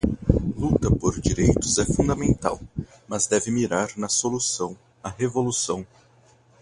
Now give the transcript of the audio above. Luta por direitos é fundamental, mas deve mirar na solução, a revolução